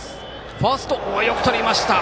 ファースト、よくとりました！